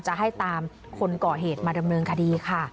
จะให้ตามคนก่อเหตุมาดำเนินคดีค่ะ